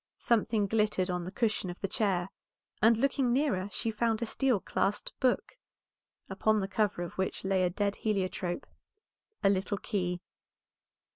Something glittered on the cushion of the chair, and looking nearer she found a steel clasped book, upon the cover of which lay a dead heliotrope, a little key.